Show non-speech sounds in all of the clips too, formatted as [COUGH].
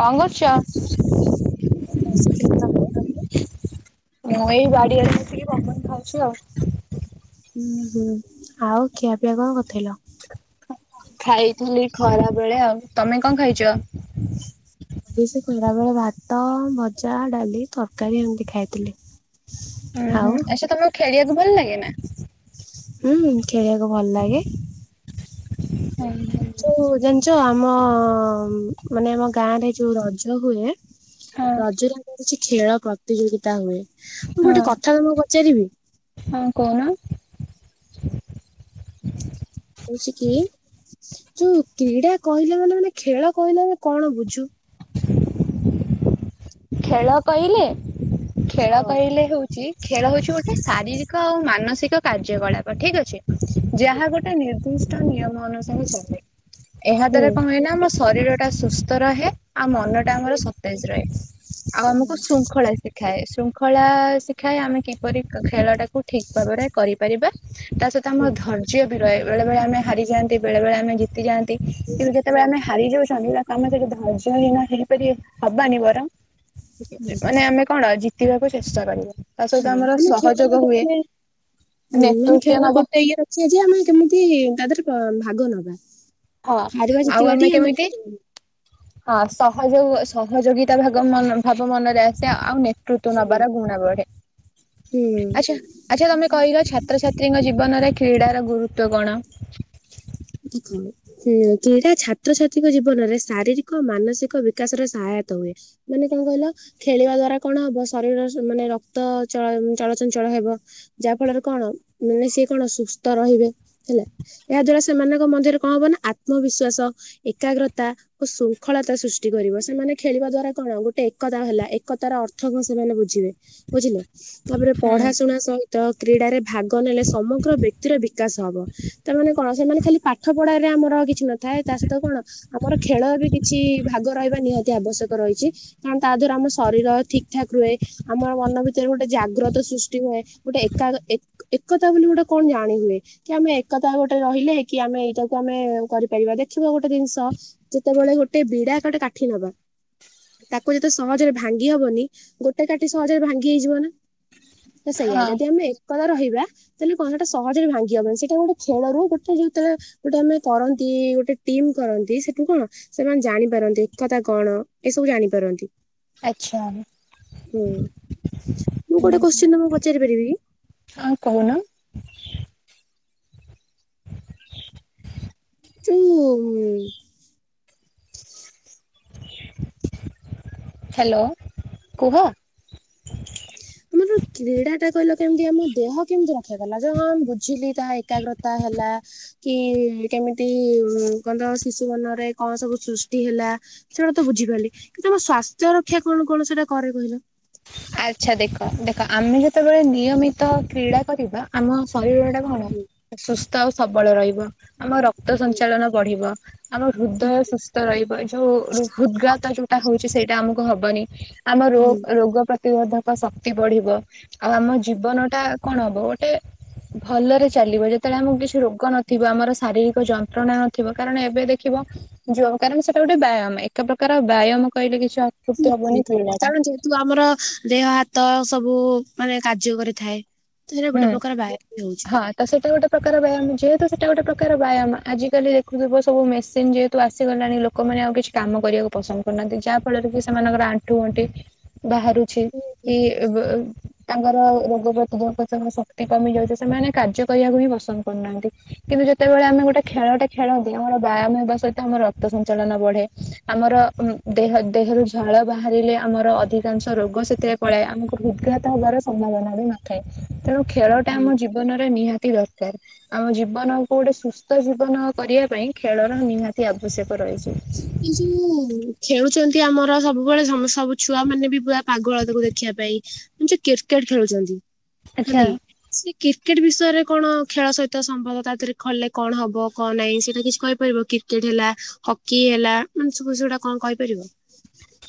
କଣ କରୁଚ? [UNINTELLIGIBLE] ମୁଁ ଏଇ ବାଡିଆଡେ ବସିକି ପବନ ଖାଉଛୁ ଆଉ। ଉଁ ହୁଁ ଆଉ ଖିଆପିଆ କଣ କରିଥିଲ? ଖାଇଥିଲି ଖରା ବେଳେ ଆଉ ତମେ କଣ ଖାଇଚ? ମୁ ଵି ସେଇ ଖଲାବେଳେ ଭାତ ଭଜା ଡାଲି ତରକାରୀ ଏମିତି ଖାଇଥିଲି। ହୁଁ ଆଉ ହୁଁ ଆଛା ତମକୁ ଖେଳିବାକୁ ଭଲ ଲାଗେ ନା? ହୁଁ ଖେଳିବାକୁ ଭଲ ଲାଗେ? ହଉ ହଉ। ଯୋଉ ଜାଣିଚ ଆମ ମାନେ ଆମ ଗାଁ ରେ ଯୋଉ ରଜ ହୁଏ। ହଁ ରଜରେ ଆମର କିଛି ଖେଳ ପ୍ରତିଯୋଗିତା ହୁଏ ମୁଁ ଗୋଟେ କଥା ତମକୁ ପଚାରିବି? ହଁ କହୁନ। ହଉଚି କି ଯୋଉ କ୍ରୀଡା କହିଲେ ମାନେ ମାନେ ଖେଳ କହିଲେ ଆମେ କଣ ବୁଝୁ? [UNINTELLIGIBLE] ଖେଳ କହିଲେ ଖେଳ ହଁ କହିଲେ ହଉଚି ଖେଳ ହଉଚି ଗୋଟେ ଶାରୀରିକ କ ମାନସିକ କାର୍ଯ୍ୟକଳାପ ଠିକି ଅଛି ଯାହା ଗୋଟେ ନିର୍ଦ୍ଦିଷ୍ଟ ନିୟମ ଅନୁସାରେ ଚାଲେ। ଏହା ହୁଁ। ଦ୍ଵାରା କଣ ହୁଏନା ଆମ ଶରୀର ଟା ସୁସ୍ଥ ରହେ ଆଉ ମନ ଟା ଆମର ସତେଜ ରହେ। [UNINTELLIGIBLE] ଆଉ ଆମକୁ ଶୃଙ୍ଖଳା ସେ ଶିଖାଏ ଶୃଙ୍ଖଳା ଶିଖାଏ ଆମେ କିପରି ଖେଳଟାକୁ ଠିକ୍ ଭାବରେ କରିପାରିବା। ତା ସହିତ ଆମର ହୁଁ ଧୈର୍ଯ୍ୟ ବି ରହେ ବେଳେବେଳେ ଆମେ ହାରିଯାନ୍ତି ବେଳେବେଳେ ଆମେ ଜିତିଯାଆନ୍ତି କିନ୍ତୁ ଯେତେବେଳେ ଆମେ ହାରି ଯାଉଛନ୍ତି ତାକୁ ଆମେ କେବେ ଧୈର୍ଯ୍ୟହୀନ ହେଇପାରିବ ହବାନି ବରଂ [UNINTELLIGIBLE] ମାନେ ଆମେ କଣ ଜିତିବାକୁ ଚେଷ୍ଟା କରିବା। ତା ସହିତ ଆମର ହଁ ସହଯୋଗ ଖେଳର ହୁଏ ଗୋଟେ ହୁଁ ମାନେ ନେତୃତ୍ୱ ଖେଳ ନବ ଗୋଟେ ଇଏ ର ଆଜି ଆମେ କେମିତି ତା ଧେରେ ଭାଗ ନବା ହଁ ହାରିବା ଆଉ ଜିତିବାଟି ଆମେ [INAUDIBLE] କେମିତି ହଁ ସହଯୋଗ ସହଯୋଗିତା ଭାଗ ମନରେ ଭାବ ମନରେ ଆସେ ଆଉ ମେ କୃତ ନବାର ଗୁଣା ବଢେ ହୁଁ। ଆଚ୍ଛା ଆଚ୍ଛା ତମେ କହିଲ ଛାତ୍ରଛାତ୍ରୀଙ୍କ ଜୀବନରେ କ୍ରୀଡ଼ାର ଗୁରୁତ୍ଵ କଣ? [UNINTELLIGIBLE] ହଁ କ୍ରୀଡ଼ା ଛାତ୍ରଛାତ୍ରୀଙ୍କ ଜୀବନରେ ଶାରୀରିକ ମାନସିକ ବିକାଶ ର ସାହୟତ ହୁଏ। ମାନେ କଣ କହିଲ ଖେଳିବା ଦ୍ଵାରା କଣ ହବ ଶରୀର ମାନେ ରକ୍ତ ଚଳ ଚଳଚଞ୍ଚଳ ହେବ। ଯାହା ଫଳରେ କଣ ମାନେ ସିଏ କଣ ସୁସ୍ଥ ରହିବେ ହେଲା ଏହା ଦ୍ଵାରା ସେମାନଙ୍କ ମଧ୍ୟରେ କଣ ହବ ନା ଆତ୍ମବିଶ୍ଵାସ ଏକାଗ୍ରତା ଶୃଙ୍ଖଳତା ସୃଷ୍ଟି କରିବ ସେମାନେ ଖେଳିବା ଦ୍ଵାରା କଣ ଗୋଟେ ଏକତା ହେଲା ଏକତାର ଅର୍ଥ କଣ ସେମାନେ ବୁଝିବେ ବୁଝିଲେ ତାପରେ ହୁଁ ପଢା ଶୁଣା ସହି ତ କ୍ରୀଡାରେ ଭାଗ ନେଲେ ସମଗ୍ର ବ୍ୟକ୍ତିର ବିକାଶ ହବ ତାମାନେ କଣ ସେମାନେ ଖାଲି ପାଠ ପଢାରେ ଆମର ଆଉ କି ଛି ନଥାଏ ତା ସହିତ କଣ ଆମର ଖେଳ ବି କିଛି ଭାଗ ରହିବା ନିହାତି ଆବଶ୍ୟକ ରହିଛି କାରଣ ତା ଦ୍ଵାରା ଆମର ଶରୀର ଠିକ ଠାକ ରୁହେ ଆମ ମନ ଭିତରେ ଗୋଟେ ଜାଗ୍ରତ ସୃଷ୍ଟି ହୁଏ ଗୋଟେ ଏକାଗ ଏକା ଏକତା ବୋଲି ଗୋଟେ କଣ ଜାଣିହୁଏ କି ଆମେ ଏକତା ଗୋଟେ ରହିଲେ କି ଆମେ ଏଇଟାକୁ ଆମେ କରିପାରିବା ଦେଖିବା ଗୋଟେ ଜିନିଷ ଯେତେବେଳେ ଗୋଟେ ବିଡା ଗୋଟେ କାଠି ନବା ତାକୁ ଯେତେ ସହଜରେ ଭାଙ୍ଗି ହବନି ଗୋଟେ କାଟି ସହଜରେ ଭାଙ୍ଗି ହେଇଯିବ ନା? ତ ସେଇଆ ହଁ ଯଦି ଆମେ କତା ରହିବା ତାହେଲେ କଣ୍ଟା ଟା ସହଜରେ ଭାଙ୍ଗିହବ ସେଟା ଗୋଟେ ଖେଳରୁ ଗୋଟେ ଯୋଉ ଯେତେବେଳେ ଗୋଟେ ଆମେ କରନ୍ତି ଗୋଟେ ଟିମ କରନ୍ତି ସେଠୁ କଣ ସେମାନେ ଜାଣିପାରନ୍ତି ଏକତା କଣ ଏସବୁ ଜାଣିପାରନ୍ତି। ଆଚ୍ଛା ହୁଁ ହଁ ମୁଁ ଗୋଟେ ହୁଁ କୋଶ୍ଚିନ୍ ତମକୁ ପଚାରି ପାରିବି କି? ହଁ କହୁନ। ଯୋଉ ମ-ମ ହାଲୋ କୁହ। [UNINTELLIGIBLE] କ୍ରୀଡ଼ା ଟା କହିଲ କେମତି ଆମ ଦେହ କେମିତି ରକ୍ଷା କଲା ଯେ ହଁ ମୁଁ ବୁଝିଲି ତାହା ଏକାଗ୍ରତା ହେଲା କି କେମିତି ମ-ମ କନ୍ତ ଶିଶୁ ମନରେ କଣ ସବୁ ସୃଷ୍ଟି ହେଲା ସେଇଟା ତ ବୁଝିପାରିଲି କିନ୍ତୁ ଆମ ସ୍ଵାସ୍ଥ୍ୟ ରକ୍ଷା କଣ କଣ ସେଇଟା କରେ କହିଲ। ଆଚ୍ଛା ଦେଖ ଦେଖ ଆମେ ଯେତେବେଳେ ନିୟମିତ କ୍ରୀଡ଼ା କରିବା ଆମ ଶରୀର ଟା କଣ ସୁସ୍ଥ ଆଉ ସବଳ ରହିବ। ଆମ ରକ୍ତ ସଞ୍ଚାଳନ ବଢିବ। ଆମ ହୃଦୟ ସୁସ୍ଥ ରହିବ ଯୋଉ ହୃ ହୃଦଘାତ ଯୋଉଟା ହଉଛି ସେଇଟା ଆମକୁ ହବନି। ଆମ ରୋ ହୁଁ। ରୋଗ ପ୍ରତି ପ୍ରତିବୋଧକ ଶକ୍ତି ବଢିବ ଆଉ ଆମ ଜୀବନ ଟା କଣ ହବ ଗୋଟେ ଭଲରେ ଚାଲିବ ଯେତେବେଳେ ଆମକୁ କିଛି ରୋଗ ନଥିବ ଆମର ଶାରୀରିକ ଯନ୍ତ୍ରଣା ନଥିବ କାରଣ ଏବେ ଦେଖିବ ଯୋଉ କାରଣ ସେଟା ଗୋଟେ ବ୍ୟାୟାମ ଏକ ପ୍ରକାର ବ୍ୟାୟାମ କହିଲେ କିଛି ଅ [INAUDIBLE] କାରଣ ଯେହେତୁ ଆମର ଦେହ ହାତ ସବୁ ମାନେ କାର୍ଯ୍ୟ କରିଥାଏ ତ ସେଇଟା ଗୋଟେ ହୁଁ। ପ୍ରକାର ବାୟାମ ବି ହଉଛି। ହଁ ତ ସେଟା ଗୋଟେ ପ୍ରକାର ବ୍ୟାୟାମ ଯେହେତୁ ସେଇଟା ଗୋଟେ ପ୍ରକାର ବ୍ୟାୟାମ ଆଜିକାଲି ଦେଖୁଥିବ ସବୁ ମେସିନ ଯେହେତୁ ଆସିଗଲାଣି ଲୋକ ଲୋକମାନେ ଆଉ କିଛି କାମ କରିବାକୁ ପସନ୍ଦ କରୁନାହାନ୍ତି ଯାହା ଫଳରେ କି ସେମାନଙ୍କର ଆଣ୍ଠୁ ଗଣ୍ଠି ବାହାରୁଛି କି ବି ବି ତାଙ୍କର ରୋଗ ପ୍ରତିରୋଧକ। ଶକ୍ତି କମି ଯାଉଛି ସେମାନେ କାର୍ଯ୍ୟ କରିବାକୁ ହିଁ ପସନ୍ଦ କରୁନାହାନ୍ତି। କିନ୍ତୁ ଯେତେବେଳେ ଆମେ ଗୋଟେ ଖେଳଟେ- - ଖେଳନ୍ତି ଆମର ବ୍ୟାୟାମ ହେବା ସହିତ ଆମର ରକ୍ତ ସଞ୍ଚାଳନ ବଢେ, ଆମର ଦେହ ଦେହରୁ ଝାଳ ବାହାରିଲେ ଆମର ଅଧିକାଂଶ ରୋଗ ସେଥିରେ ପଳାଏ ଆମକୁ ହୃଦ୍ଘାତ ହେବାର ସମ୍ଭାବନା ବି ନଥାଏ। ତେଣୁ ଖେଳଟା ଆମ ଜୀବନରେ ନିହାତି ଦରକାର। ଆମ ଜୀବନକୁ ଗୋଟେ ସୁସ୍ଥ ଜୀବନ କରିଆ ପାଇଁ ଖେଳର ନିହାତି ଆବଶ୍ୟକ ରହିଛି। ଏ ଯୋଉ ଖେଳୁଚନ୍ତି ଆମର ସବୁବେଳେ ସବୁ ଛୁଆ ମାନେ ବି ପୁରା ପାଗଳ ତାକୁ ଦେଖିବା ପାଇଁ। ଯ କ୍ରିକେଟ ଖେଳୁଚନ୍ତି ଆଚ୍ଛା। ହେଲିକି। ସେ କ୍ରିକେଟ ବିଷୟରେ କଣ ଖେଳ ସହିତ ସମ୍ଭବ ତା ଦେହରେ ଖଲେ କଣ ହବ କଣ ନାହିଁ ସେଇଟା କିଛି କହିପାରିବ? କ୍ରିକେଟ ହେଲା ହକି ହେଲା ମାନେ ସବୁ ସେଗୁଡା କଣ କହିପାରିବ?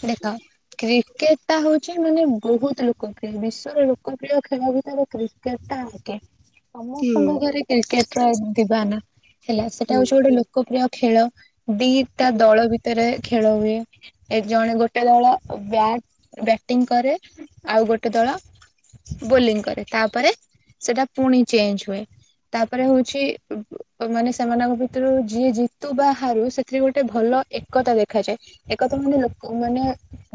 ଦେଖ- - କ୍ରିକେଟଟା ହଉଚି ମାନେ ବହୁତ ଲୋକପ୍ରିୟ ବିଶ୍ଵର ଲୋକପ୍ରିୟ ଖେଳ ଭିତରେ କ୍ରି - - କେତା ଆକେ। ହୁଁ ସମସ୍ତଙ୍କ ଘରେ କ୍ରିକେଟ ର ଦିବାନ ହେଲା ସେଟା ହଉଚି ହୁଁ ଗୋଟେ ଲୋ - - ଲୋକପ୍ରିୟ ଖେଳ ଦିଟା ଦଳ ଭିତରେ ଖେଳ ହୁଏ। ଏ ଜଣେ ଗୋଟେ ଦଳ ବ୍ୟାଟ ବ୍ୟାଟିଂ କରେ ଆଉ ଗୋଟେ ଦଳ- - ବୋଲିଂ କରେ ତାପରେ ସେଟା ପୁଣି ଚେଞ୍ଜ ହୁଏ। ତାପରେ ହଉଚି ମାନେ ସେମାନଙ୍କ ଭିତରୁ ଯିଏ ଜିତୁ ବା ହାରୁ ସେଥିରେ ଗୋଟେ ଭଲ ଏକତା ଦେଖାଯାଏ। ଏକଥା ମାନେ ମାନେ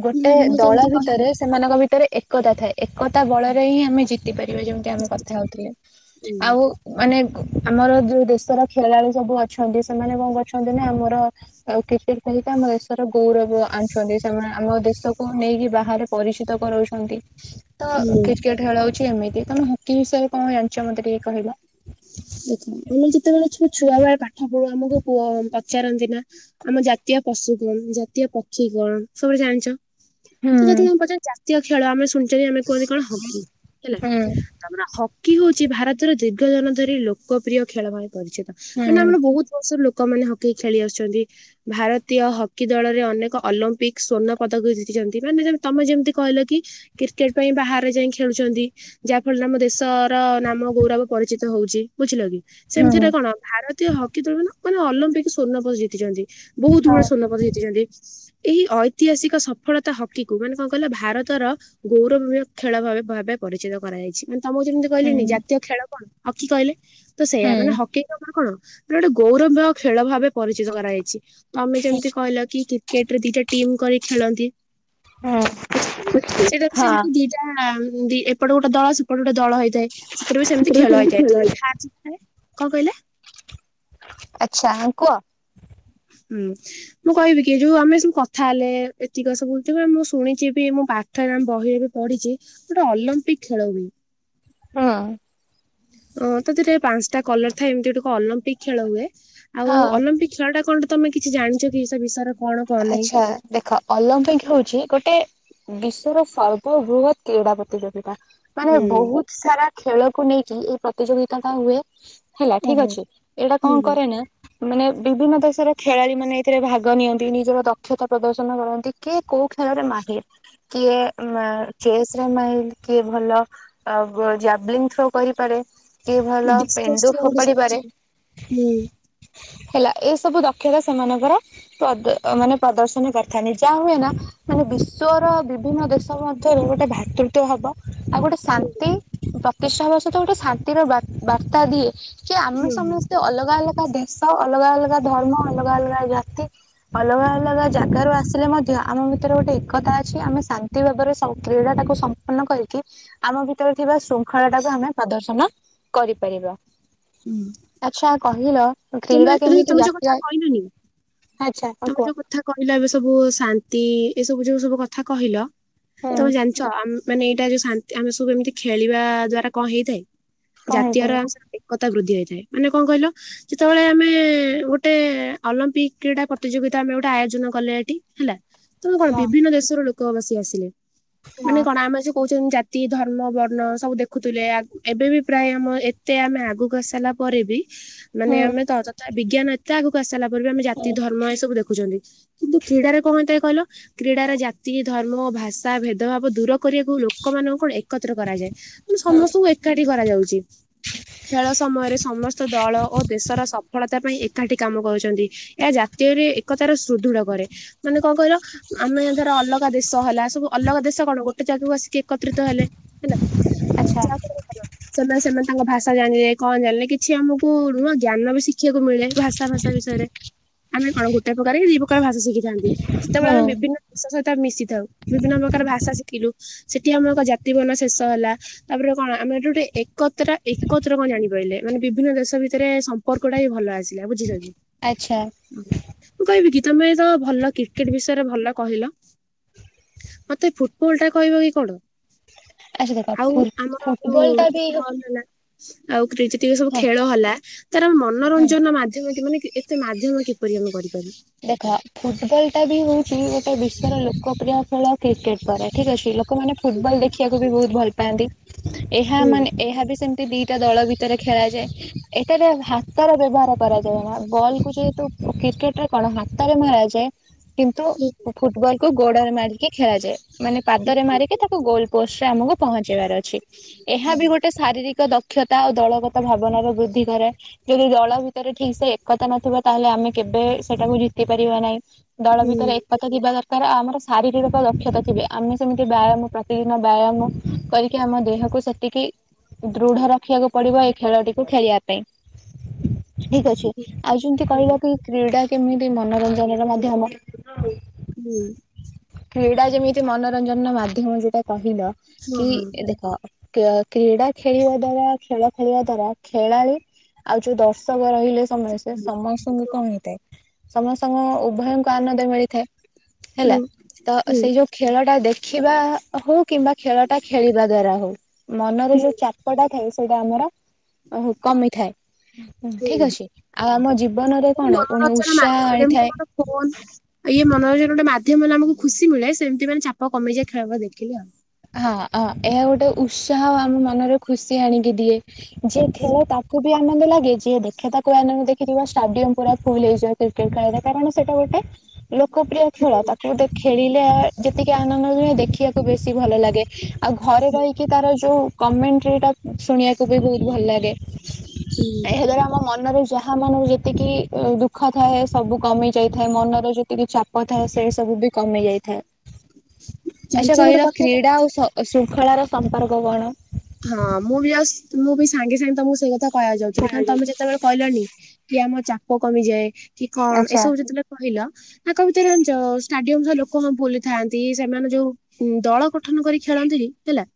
ଗୋଟେ ମୁଁ ଦଳ ଯେମିତି କହିଲି ଭିତରେ ସେମାନଙ୍କ ଭିତରେ ଏକତା ଥାଏ। ଏକତା ବଳରେ ହିଁ ଆମେ ଜିତି ପାରିବା ଯେମି- - ଏବେ କଥା ହଉଥିଲେ ଆଉ ହୁଁ - - ମାନେ ଆମର ଯୋଉ ଦେଶର ଖେଳାଳି ସବୁ ଅଛନ୍ତି ସେମାନେ କଣ କରଛନ୍ତି ନା ଆମ - - କ୍ରିକେଟ ସହିତ ଆମ ଦେଶର କୌରବ ଆଣୁଛନ୍ତି। ସେମାନେ ଆମ ଦେଶକୁ ନେଇକି ବାହାରେ ପରିଚିତ କରାଉଛନ୍ତି। ତ ହୁଁ। କ୍ରିକେଟ ଖେଳ ହଉଚି ଏମିତି, ତମେ ହକି ବିଷୟରେ କଣ ଜାଣିଚ ମତେ ଟିକେ କହିଲ? ଆମେ ଯେତେବେଳେ ଛୁ ଛୁଆ ବେଳେ ପାଠ ପଢୁ ଆମକୁୁ ପଚାରନ୍ତି ନା। ଆମ ଜାତୀୟ ପଶୁ କଣ? ଜାତୀୟ ପକ୍ଷୀ କଣ, ସବୁ ଜାଣିଚ? ହୁଁ ତ ଯଦି କଣ କହନ୍ତି ଜାତୀୟ ଖେଳ ଆମେ ଶୁଣିଚନ୍ତି ଆମେ କୁହନ୍ତି କଣ ହକି। ହେଲା। ହୁଁ ଆମର ହକି ହଉଚି ଭାରତର ଦୀର୍ଘ ଦନ ଧରି ଲୋକପ୍ରିୟ ଖେଳରୁପେ ପରିଚିତ। ହୁଁ ମାନେ ଆମର ବହୁତ କ ଲୋକମାନେ ହକି ଖେଳି ଆସୁଚନ୍ତି। ଭାରତୀୟ ହକି ଦଳରେ ଅନେକ ଅଲମ୍ପିକ୍ ସ୍ଵର୍ଣ୍ଣ ପଦକ ଜିତି ଚନ୍ତି। ମାନେ ତମେ ଯେମିତି କହିଲ କି? କ୍ରିକେଟ୍ ପାଇଁ ବାହାରେ ଯାଇଁ ଖେଳୁଚନ୍ତି। ଯାହା ଫଳରେ ଆମ ଦେଶର ନାମ ଗୌରବ ପରିଚିତ ହଉଚି। ବୁଝିଲ କି? ହଁ ସେମିତିରେ କଣ ଭାର ତ ହକି ଦଳନ ମାନେ ଅଲମ୍ପିକ ସ୍ଵର୍ଣପଦ ଜିତି ଚନ୍ତି, ବହୁତ ବଡ ସ୍ଵର୍ଣ୍ଣପଦ ଜଡିଚନ୍ତି। ଏହି ଐତିହାସିକ ସଫଳତା ହକିକୁୁ ମାନେ କଣ କହିଲ ଭାରତର ଗୌରବମୟ ଖେଳ ଭାବେ ପରିଚିତ କରାଯାଇଛି। ମାନେ ତମକୁ ଯେମିତି ହୁଁ କହିଲେନି ଜାତୀୟ ଖେଳ କଣ? ହକି କହିଲେ ତ ସେଇୟା ହୁଁ ମାନେ ହକି ଖବର କଣ? ଗୋଟେ ଗୌରବ ଖେଳ ଭାବେ ପରିଚିତ କରାଯାଇଛି। ତମେ ଯେମିତି କହିଲ କି କ୍ରିର୍ଟରେ ଦିଟା ଟିମ୍ କରି ଖେଳନ୍ତି। ହୁଁ ବୁଝିଲ ସେଟା ହଁ ସେମତି ଦି ଟ୍ଟା ଏପଟେ ଗୋଟେ ଦଳ ସେପଟ ଗୋଟେ ଦଳ ହେଇଯାଏ, ସେଥିରେ ବି ସେମିତି ଖେଳ ହେଇଯାଇଥାଏ। କଁ କହିଲେ? ଆଚ୍ଛା, ହଁ କୁଅ। ଉଁ ମୁଁ କହିବି କି ଯୋଉ ଆମେ ସବୁ କଥା ହେଲେ ଏତିକ ସବୁ ମୁଁ ଶୁଣିଚି ବି ମୋ ବା ଏଠାରେ ଆମ ବହିରେ ବି ପଢିଚି ଗୋଟେ ଅଲମ୍ପିକ୍ ଖେଳ ହୁଏ। ହଁ। ଓ ତାଥିରେ ପାଂସଟା କଲର ଥାଏ, ଏମିତି ଗୋଟେ ଅଲମ୍ପିକ୍ ଖେଳ ହୁଏ। ଆଉ ହଁ ଅଲମ୍ପିକ୍ ଖେଳ ଟା କଣ ତମେ କିଛି ଜାଣିଛ କି ସେ ବିଷୟରେ? କଣ କଣ ନାହିଁ? ଆଚ୍ଛା, ଦେଖ ଅଲମ୍ପିକ୍ ହଉଚି ଗୋଟେ ବିଶ୍ଵର ସର୍ବବୃହତ୍ କ୍ରୀଡ଼ା ପ୍ରତିଯୋଗିତା। ମାନେ ହୁଁ। ବୋହୁତ୍ ସାରା ଖେଳକୁ ନେଇକି ଏଇ ପ୍ରତିଯୋଗିତା ଟା ହୁଏ। ହେଲା ଠିକ୍ ଓହୋ ଅଛି, ଏଇଟା କଣ ହୁଁ କରେ ନା ମାନେ ବିଭିନ୍ନ ଦେଶର ଖେଳାଳି ମାନେ ଏଥିରେ ଭାଗ ନିଅନ୍ତି। କିଏ ନିଜର ଦକ୍ଷତା ପ୍ରଦର୍ଶନ କରନ୍ତି, କି କୋଉ ଖେଳରେ ମାହିର୍। କିଏ ଚେସ୍ ରେ ମାଇଲ୍, କିଏ ଭଲ? ଆଉ ଜାବ୍ଲିଙ୍ଗ୍ ଥ୍ରୋ କରିପାରେ। କିଏ ଭଲ ଡିସକସ ପେଣ୍ଡୁ ର ଗୋଟେ ଫୋପାଡି ସରିଛି ପାରେ। ହୁଁ ହେଲା ଏ ସବୁ ଦକ୍ଷତା ସେମାନଙ୍କର ପଦ ମାନେ ପ୍ରଦର୍ଶନ କରିଥାନ୍ତିି, ଯାହା ହୁଏ ନା ମାନେ ବିଶ୍ଵର ବିଭିନ୍ନ ଦେଶ୍ ସବୁ ଅଂସରେ ଗୋଟେ ଭ୍ରାତୃତ୍ୱ ଭାବ। ଆଉ ଗୋଟେ ଶାନ୍ତି ପ୍ରତିଷ୍ଠା ହବା ସହିତ ଗୋଟେ ଶାନ୍ତିର ବାତ୍ ବାର୍ତ୍ତା ଦିଏ। ଚ ଆମେ ହୁଁ ହୁଁ ସମସ୍ତେ ଅଲଗା ଅଲଗା ଭେଶ, ଅଲଗା ଅଲଗା ଧର୍ମ, ଅଲଗା ଅଲଗା ଜାତି ଅଲଗା ଅଲଗା ଜାଗାରୁ ଆସିଲେ ମଧ୍ୟ ଆମ ଭିତରେ ଗୋଟେ ଏକତା ଅଛି। ଆମେ ଶାନ୍ ସାନ୍ତି ଭାବରେ ସ କ୍ରୀଡ଼ା ଟାକୁ ସମ୍ପୂର୍ଣ୍ଣ କରିକି ଆମ ଭିତରେ ଥିବା ଶୃଙ୍ଖଳା ଟାକୁ ଆମେ ପ୍ରଦର୍ଶନ କରିପାରିବା। [UNINTELLIGIBLE] ଆଚ୍ଛା କହିଲ, ତମେ କ୍ରୀଡ଼ା ଏ କେମିତି ତମେ ଯୋଉ ଜାତୀୟ କଥା କହିଲନି ଆଚ୍ଛା ହଁ ତମେ କୁହ ଯୋଉ କଥା କହିଲ ଏବେ ସବୁ ଶାନ୍ତି ଏ ସବୁ ଯୋଉ ସବୁ କଥା କହିଲ। ତମେ ହୁଁ ଜାଣିଚ ଆମ ମାନେ ଏଇଟା ଯୋଉ ଶାନ୍ତି ଆମେ ସବୁ ଏମିତି ଖେଳିବା ଦ୍ଵାରା କଣ ହେଇଥାଏ? କଣ ଜାତୀୟର ହେଇଥାନ୍ତା ଶ କଥା ବୃଦ୍ଧି ହେଇଥାଏ, ମାନେ କଣ କହିଲ? ଯେତେବେଳେ ଆମେ ଗୋଟେ ଅଲମ୍ପିକ୍ କ୍ରୀଡା ପ୍ରତିଯୋଗିତା ଆମେ ଗୋଟେ ଆୟୋଜନ କଲେ ଏଠି ହେଲା ତେଣୁ କଣ ହଁ ବିଭିନ୍ନ ଦେଶର ଲୋକ ଅବସ୍ୟ ଆସିଲେ। ମାନେ କଣ ଆମେ ଯୋଉ କହୁଚନ୍ତି, ଜା ଜାତି ଧର୍ମ ବର୍ଣ୍ଣ ସବୁ ଦେଖୁଥିଲେ ଏବେ ବି ପ୍ରାୟ ଆମ ଏତେ ଆମେ ଆଗକୁ ଆସିଲାପରେ ବି ମାନେ ହଁ ଆମେ ତଥା ବିଜ୍ଞାନ ଏତେ ଆଗକୁ ଆସିଲା ପରେ ବି ଆମେ ଜାତି ହୁଁ ଧର୍ମ ସବୁ ଦେଖୁଛନ୍ତି। କିନ୍ତୁ କ୍ରୀଡାରେ କଣ ହେଇଥାଏ କହିଲ, କ୍ରୀଡାର ଜାତି ଧର୍ମ ଭାଷା ଭେଦଭାବ ଦୂର କରିବାକୁ ଲୋକମାନଙ୍କ କଣ ଏକତ୍ର କରାଯାଏ ତୁ ସମସ୍ତଙ୍କୁ ଏକାଠି କରାଯାଉଛି। ଖେଳ ସମୟରେ ସମସ୍ତ ଦଳ ଓ ଦେଶର ସଫଳତା ପାଇଁ ଏକାଠି କାମ କରୁଛନ୍ତି। ଏହା ଜା ରେ ଏକତାର ସୁଦୃଢ କରେ। ମାନେ କଣ କହିଲ ଆମେ ଏ ଧର ଅଲଗା ଦେଶ ହେଲା ସବୁ ଅଲଗା ଦେଶ କଣ ଗୋଟେ ଜାଗାକୁ ଆସିକି ଏକତ୍ରିତ ହେଲେ। [UNINTELLIGIBLE] ଚା [UNINTELLIGIBLE] ସେମାନେ ସେମାନେ ତାଙ୍କ ଭାଷା ଜାଣିଲାେ କଣ ଜାଣିଲେ କିଛି ଆମକୁ ନୁହଁ ଜ୍ଞାନ ବି ଶିଖିବାକୁ ମିଳେ। ଭାଷା ସା ବିଷୟରେ। ଆମେ କଣ ଗୋଟେ ପ୍ରକାରରେ ଦି ପ୍ରକାର ଭାଷ ଶିଖିଥାନ୍ତି। ଯେତେବେଳେ ହୁଁ ଆମେ ବିଭିନ୍ନ ଜଷ ସହିତ ଆ ମିଶି ଥାଉ। ବିଭିନ୍ନ ପ୍ରକାର ଭାଷା ଶିଖିଲୁ ସେଠି ଆମର ଜାତି ବନ ଶେଷ ହେଲା ତାପରେ କଣ ଆମେ ଏଠି ଗୋଟେ ଏକତ୍ର ଏକତ୍ର କଣ ଜାଣିପାରିଲେ ମାନେ ବିଭିନ୍ନ ଦେଶ ଭିତରେ ସମ୍ପର୍କ ଟାବି ଭଲ ଆସିଲା,, ବୁଝିଲ କି। ଆଚ୍ଛା। ମୁଁ କହିବି କି, ତମେ ତ ଭଲ କ୍ରିକେଟ ବିଷୟରେ ଭଲ କହିଲ। ମତେ ଫୁଟବଲ ଟା କହିବ କି କଣ? ଆଚ୍ଛା ଦେଖ ଆଉ ଫୁ ଆମର ଯୋଉ, ଫୁଟବଲ ଟା ବି ହଁ ଫୁଟବଲ ହେଲା। ଆଉ କ୍ରି ଯେତିକି ସବୁ ଖେଳ ହେଲା, ତାର ହୁଁ ମନୋରଞ୍ଜନ ମାଧ୍ୟମ କି ମାନେ ଏତେ ମାଧ୍ୟମ କି ପରି ଆମେ କରିପାରୁ। ଦେଖ ଫୁଟବଲ ଟା ବି ହଉଛି, ଗୋଟେ ବିଶ୍ଵର ଲୋକପ୍ରିୟ ଖେଳ। କ୍ରିକେଟ ପରେ। ଠିକ୍ ଅଛି। ଲୋକମାନେ ଫୁଟବଲ୍ ଦେଖିବାକୁ ବି ବହୁତ ଭଲ ପାଆନ୍ତି। ଏହା ହୁଁ ମାନେ ଏହା ବି ସେମିତି ଦିଟା ଦଳ ଭିତରେ ଖେଳାଯାଏ। ଏଠାରେ ହାତର ବ୍ୟବହାର କରାଯାଏ। ନା ବଲ କୁ ଯେହେତୁ ଓ କ୍ରିକେଟ୍ ଟା କଣ ହାତରେ ମରାଯାଏ? କିନ୍ତୁ ହୁଁ ଫୁଟବଲକୁୁ ଗୋଡରେ ମାରିକି ଖେଳାଯାଏ। ମାନେ ପାଦରେ ମାରିକି ତାକୁ ଗୋଲ ପୋଷ୍ଟରେ ଆମକୁ ପହଞ୍ଚେଇବାର ଅଛି। ଏହା ବି ଗୋଟେ ଶାରୀରିକ ଦକ୍ଷତା ଓ ଦଳଗତ ଭାବନାର ବୃଦ୍ଧି କରେ। ଯଦି ଦଳ ଭିତରେ ଠିକ ସେ ଏକତା ନଥିବ, ତାହେଲେ ଆମେ କେବେ ସେଟାକୁ ଜିତି ପାରିବା ନାହିଁ। ଦଳ ହୁଁ ଭିତରେ ଏକତା ଥିବା ଦରକାର। ତାର ଆମର ଶାରୀରିକ ଦକ୍ଷତା ଥିବେ। ଆମେ ସେମିତି ବ୍ୟାୟାମ ପ୍ରତିଦିନ ବ୍ୟାୟାମ କରିକି ଆମ ଦେହକୁ ସେ ତିକି ଦୃଢ ରଖିବାକୁ ପଡିବ ଏଇ ଖେଳଟିକୁ ଖେଳିବା ପାଇଁ। ଠିକ ଅଛି। ଆଉ ଯେମିତି ହୁଁ କହିବାକୁ ଏ କ୍ରୀଡ଼ା କେମିତି ମନୋରଞ୍ଜନ ର ମାଧ୍ୟମ? ହୁଁ। କ୍ରିଡା ଯେମିତି ମନୋରଞ୍ଜନର ମାଧ୍ୟମ ଯୋଉଟା କହିଲ ହଁ କି ହଁ ଦେଖ କେ କ୍ରୀଡ଼ା ଖେଳିବା ଦ୍ଵାରା ଖେଳ ଖେଳିବା ଦ୍ଵାରା ଖେଳାଳି ଆଉ ଯୋଉ ଦର୍ଶ ସକ ରହିଲେ ସମସ୍ତେ ସମସ୍ତଙ୍କୁ କଣ ହେଇଥାଏ? ସମସ୍ତଙ୍କୁ, ଉଭୟଙ୍କୁ ଆନନ୍ଦ ମିଳିଥାଏ। ଉଁ ହେଲା। ତ ହୁଁ ସେଇ ଯୋଉ ଖେଳ ଟା ଦେଖିବା ହଉ, କିମ୍ବା ଖେଳଟା ଖେଳିବା ଦ୍ଵାରା ହଉ, ମନରେ ହୁଁ ଯୋଉ ଚାପଟା ଥାଏ ସେଇଟା ଆମର ଓହୋ କମିଥାଏ, ହୁଁ ଠିକ ଅଛି। ଆଉ ଆମ ଜୀବନରେ ଗୋଟେ କଣ? ପୁଣି ମନୋରଞ୍ଜନ ମାଧ୍ୟମ ଉତ୍ସାହ ଆଣିଥାଏ।। [UNINTELLIGIBLE] ଇଏ ମନୋରଞ୍ଜନ ଗୋଟ ମାଧ୍ୟମରେ ଆମକୁ ଖୁସି ମିଳେ। ସେମିତି ମାନେ ଚାପ କମିଯାଇ ଖେଳ ଫେଳ ଦେଖିଲି ଆଉ। ହଁ, ହଁ ଏହା ଗୋଟେ ଉତ୍ସାହ ଆମ ମନରେ ଖୁସି ଆଣିକି ଦିଏ। ଯିଏ ଖେଳେ ତାକୁ ବି ଆନନ୍ଦ ଲାଗେ। ଯିଏ ଦେଖେ ତାକୁ ବି ଆନନ୍ଦ, ଦେଖିଥିବେ ଷ୍ଟାଡିୟମ ପୁରା ଫୁଲ ହେଇଯାଏ କ୍ରିକେଟ ଖେଳ ଦେଖିବାକୁ। କାରଣ ସେଇଟା ଗୋଟେ ଲୋକପିୟ ଖେଳ। ତାକୁ ଖେଳିଲେ ଯେତିକି ଆନନ୍ଦ ନୁହେଁ ଦେଖିବାକୁ ବେଶୀ ଭଲ ଲାଗେ। ଆଉ ଘରେ ରହିକି ତାର ଯୋଉ, କମେଣ୍ଟ୍ରିଟା ଶୁଣିବାକୁ ବି ବହୁତ ଭଲ ଲାଗେ। ଏହା ଦ୍ଵାରା ଆମ ମନରେ ଯାହା ମାନ ଯେ ତିକି ଦୁଃଖ ଥାଏ ସବୁ କମି ଯାଇଥାଏ। ମନର ଯେତିକି ଚାପ ଥାଏ ସେ ସବୁ ବି କମି ଯାଇଥାଏ। ଜାଣିଛ ଆଛା ଗୋଟେ କହିଲ କଥା କ୍ରୀଡା ଜାଣିଛ? ଆଉ ଶ ଶୃଙ୍ଖଳାର ସମ୍ପର୍କ କଣ? ହଁ, ମୁଁ ବି ଜ ମୁଁ, ବି ସାଙ୍ଗେ ସାଙ୍ଗେ ତମକୁ ସେଇ କଥା କହିବାକୁ ଯାଉଥିଲି। କାର ତମେ ଯେ ଶୁଣାଯାଉଛି। ଯେତେବେଳେ କହିଲନି କି, ଆମ ଚାପ କମିଯାଏ କି କଣ? ଆଚ୍ଛା ଏସବୁ ଯେତେବେଳେ କହିଲ ତାଙ୍କ ଭିତରେ ଜ ଷ୍ଟାଡିୟମ ଜଉ ଲୋକ ଭୁଲିଥାନ୍ତି, ସେମାନେ ଯୋଉ ହୁଁ, ଦଳ ଗଠନ କରି ଖେଳନ୍ତିନି। ହେଲା।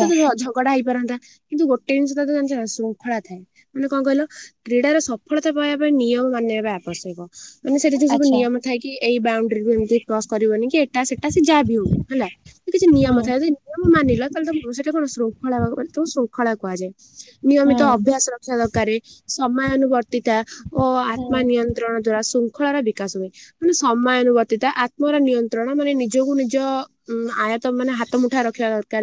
ତ ତ ଝଗଡା ହେଇପାରନ୍ତା। କିନ୍ତୁ ଗୋଟେ ଜିନିଷ ତ ଜାଣିଛ ନା ଶୃଙ୍ଖଳା ଥାଏ। ମାନେ କଣ କହିଲ? କ୍ରୀଡାର ସଫଳତା ପାଇବା ପାଇଁ ନିୟମ ମାନିବା ବି ଆବଶ୍ୟକ। ମାନେ ସେଇଟା ଯୋଉ ସବୁ ଆଚ୍ଛା ନିୟମ ଥାଏ କି ଏଇ ବାଉଣ୍ଡରିୁ ଏମିତି କ୍ରସ କରିବନି କି ଏଟା ସେଟା ସେ ଯାହା ବି ହଉ ହେଲା। କିଛି ହୁଁ ନିୟମ ଥାଏ। ନିୟମ ମାନିଲ ତାହାଲେ ତ ସେଟା କଣ ଶୃଙ୍ଖଳା ତାକୁ ଶୃଙ୍ଖଳା କୁହାଯାଏ। ହୁଁ ନିୟମିତ ଅଭ୍ୟାସର ସହକାରେ ସମୟାନୁବର୍ତ୍ତିତା ଓ ହୁଁ। ଆତ୍ମ ନିୟ ତ୍ରଣତାଳ ଶୃଙ୍ଖଳାର ବିକାଶ ହୁଏ। ମାନେ ସମୟାନୁବର୍ତ୍ତିତା ଆତ୍ମର ନିୟନ୍ତ୍ରଣ ମାନେ ନିଜକୁ ନିଜ ଉଁ ଆୟାତ ମାନେ ହାତ ମୁଠାରେ ରଖିବା ଦରକାର।